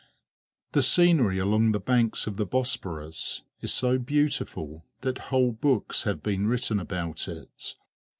The scenery along the banks of the Bosporus is so beautiful that whole books have been written about it.